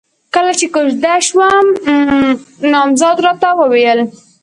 کله چې کوژده شوم، نامزد راته وويل: